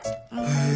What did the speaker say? へえ！